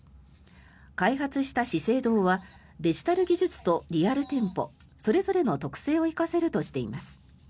開発した資生堂はデジタル技術とリアル店舗それぞれの特性を生かせるとしています。